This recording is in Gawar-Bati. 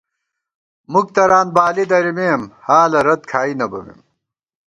مُک تران بالی درِمېم ، حالہ رت کھائی نہ بَمېم